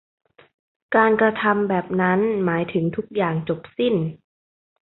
การกระทำแบบนั้นหมายถึงทุกอย่างจบสิ้น